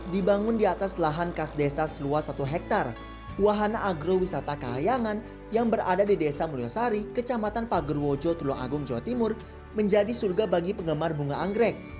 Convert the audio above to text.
dibangun di atas lahan khas desa seluas satu hektare wahana agrowisata kahayangan yang berada di desa mulyosari kecamatan pagerwojo tulung agung jawa timur menjadi surga bagi penggemar bunga anggrek